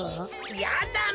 やだな。